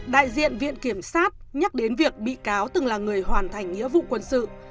đại diện viện kiểm sát nhắc đến việc bị cáo từng là người hoàn thành nghĩa vụ quân sự